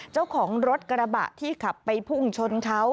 เจ้าของรถกระบะที่ขับไปพุ่งชนเขา